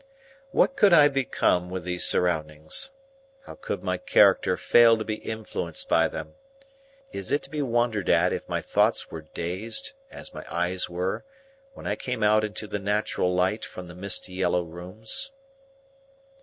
What could I become with these surroundings? How could my character fail to be influenced by them? Is it to be wondered at if my thoughts were dazed, as my eyes were, when I came out into the natural light from the misty yellow rooms?